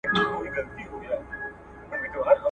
ځان دي هېر که ماته راسه پر ما ګرانه زه دي پایم !.